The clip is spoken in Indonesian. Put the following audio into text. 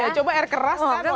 iya coba air keras kan